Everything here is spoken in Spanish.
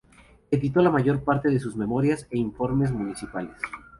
Editó la mayor parte de sus memorias e informes municipales.